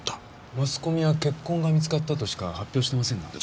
マスコミは血痕が見つかったとしか発表してませんが。